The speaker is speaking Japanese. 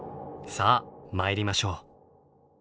さあ参りましょう。